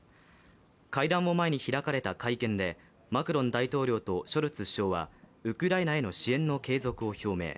会談を前に開かれた会見でマクロン大統領とショルツ首相はウクライナへの支援の継続を表明。